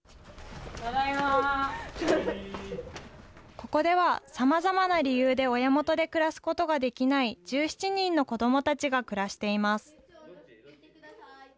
ここではさまざまな理由で親元で暮らすことができない１７人の子どもたちが暮らしています。